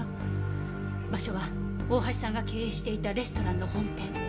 場所は大橋さんが経営していたレストランの本店。